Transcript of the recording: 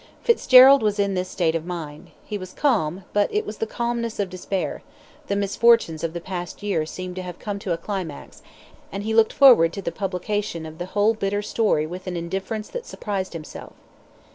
Fitzgerald was in this state of mind he was calm, but it was the calmness of despair the misfortunes of the past year seemed to have come to a climax, and he looked forward to the publication of the whole bitter story with an indifference that surprised himself.